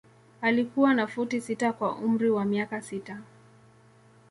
Alikuwa na futi sita kwa umri wa miaka sita.